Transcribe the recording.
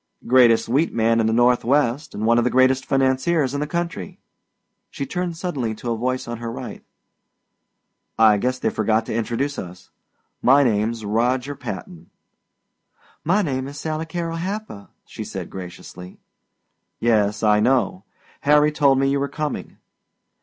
"Greatest wheat man in the Northwest, and one of the greatest financiers in the country." She turned suddenly to a voice on her right. "I guess they forget to introduce us. My name's Roger Patton." "My name is Sally Carrol Happer," she said graciously. "Yes, I know. Harry told me you were coming."